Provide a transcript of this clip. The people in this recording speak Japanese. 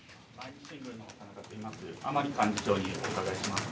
甘利幹事長にお伺いします。